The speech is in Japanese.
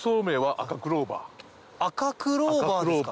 アカクローバーですか。